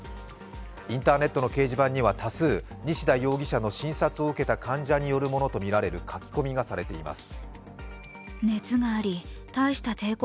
インターネットの掲示板には多数、西田容疑者の診察を受けた患者によるものとみられる書き込みがされています。